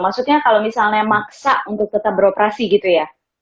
maksudnya kalau misalnya maksa untuk tetap beroperasi gitu ya